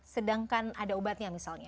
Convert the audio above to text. sedangkan ada ubatnya misalnya